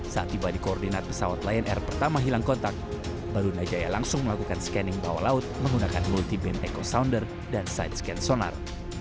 saat tiba di koordinat pesawat lion air pertama hilang kontak barunajaya langsung melakukan scanning bawah laut menggunakan multi beam echo sounder dan side scan sonar